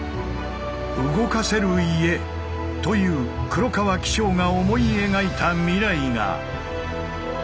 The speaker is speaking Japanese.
「動かせる家」という黒川紀章が思い描いた未来が。